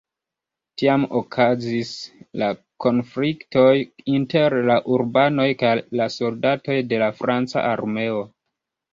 Tiam okazis la konfliktoj inter la urbanoj kaj la soldatoj de la franca armeo.